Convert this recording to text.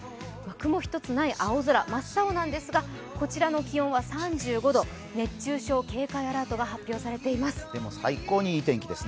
雲一つない青空、真っ青なんですがこちらの気温は３５度熱中症警戒アラートが発表されています。